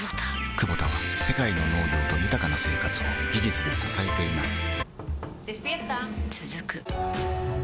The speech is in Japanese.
クボタは世界の農業と豊かな生活を技術で支えています起きて。